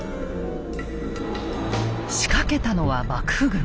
仕掛けたのは幕府軍。